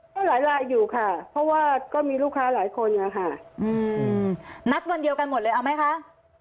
ก็หลายลายอยู่ค่ะเพราะว่าก็มีลูกค้าหลายคนนะคะนัดวันเดียวกันหมดเลยเอาไหมคะ